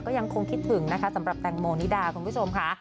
ก็ยังคงคิดถึงนะคะสำหรับแตงโมนิดาคุณผู้ชมค่ะ